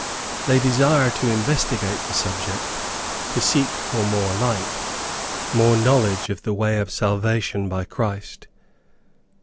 They desire to investigate the subject to seek for more light more knowledge of the way of salvation by Christ.